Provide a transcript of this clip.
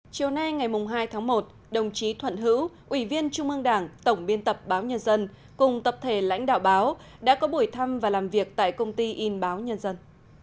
chiều nay ngày hai tháng một đồng chí thuận hữu ủy viên trung ương đảng tổng biên tập báo nhân dân cùng tập thể lãnh đạo báo đã có buổi thăm và làm việc tại công ty in báo nhân dân